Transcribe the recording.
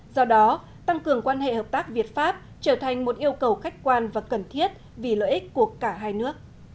do đó tăng cường quan hệ hợp tác việt pháp trở thành một yêu cầu khách quan và cần thiết vì lợi ích của cả hai nước